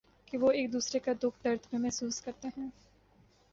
کہ وہ ایک دوسرے کا دکھ درد بھی محسوس کرتے ہیں ۔